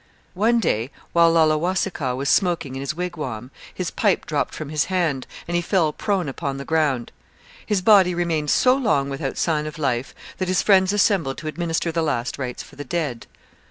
One day, while Laulewasikaw was smoking in his wigwam, his pipe dropped from his hand, and he fell prone upon the ground. His body remained so long without sign of life that his friends assembled to administer the last rites for the dead.